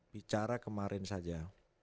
bicara kemarin saja